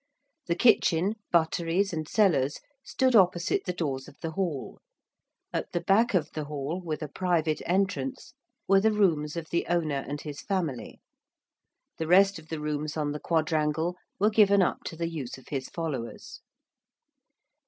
The kitchen, butteries and cellars stood opposite the doors of the hall; at the back of the hall with a private entrance were the rooms of the owner and his family: the rest of the rooms on the quadrangle were given up to the use of his followers.